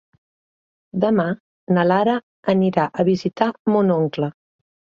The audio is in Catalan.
Demà na Lara anirà a visitar mon oncle.